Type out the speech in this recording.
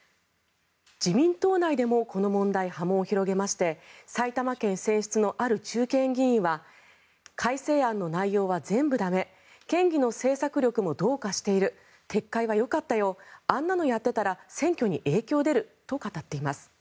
自民党内でもこの問題波紋を広げまして埼玉県選出のある中堅議員は改正案の内容は全部駄目県議の政策力もどうかしている撤回はよかったよあんなのやってたら選挙に影響出ると語っています。